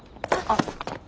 あっ。